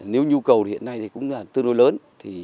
nếu nhu cầu thì hiện nay cũng tương đối lớn